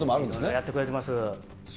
やってくれてます。